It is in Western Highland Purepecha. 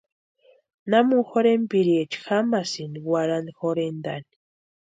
¿Namuni jorhenpiriecha jamasïni warhari jorhentaani?